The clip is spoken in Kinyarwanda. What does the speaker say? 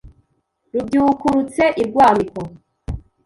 Rubyukurutse i Rwamiko